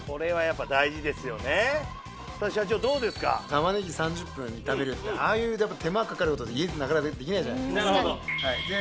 玉ねぎ３０分炒めるってああいう手間かかること家でなかなかできないじゃないですか。